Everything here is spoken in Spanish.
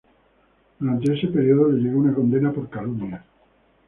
Durante ese periodo le llegó una condena por calumnias.